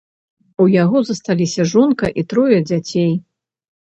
У яго засталіся жонка і трое дзяцей.